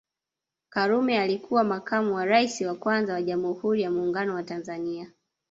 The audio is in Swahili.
Karume alikuwa makamu wa rais wa kwanza wa Jamhuri ya Muungano wa Tanzania